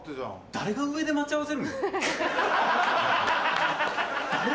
誰が上で待ち合わせるんだよ。